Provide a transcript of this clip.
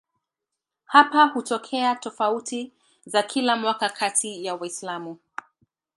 Hapa hutokea tofauti za kila mwaka kati ya Waislamu.